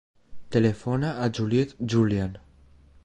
Telefona a la Juliette Julian.